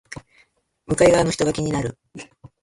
向かい側の人が気になる